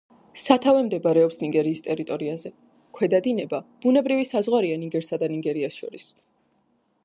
სათავე მდებარეობს ნიგერიის ტერიტორიაზე, ქვედა დინება ბუნებრივი საზღვარია ნიგერსა და ნიგერიას შორის.